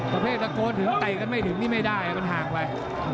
ประเภทตะโกนถึงเตะกันไม่ถึงนี่ไม่ได้มันห่างไป